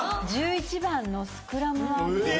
１１番のスクラム甘エビ